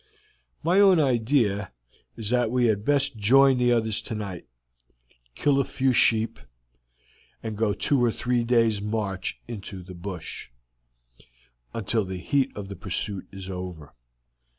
"My own idea is that we had best join the others tonight, kill a few sheep, and go two or three days' march into the bush, until the heat of the pursuit is over.